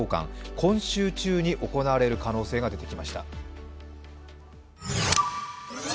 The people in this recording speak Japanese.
今週中に行われる可能性が出てきました。